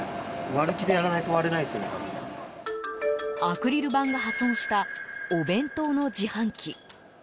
アクリル板が破損したお弁当の自販機。